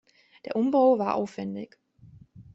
Der Umbau war aufwendig.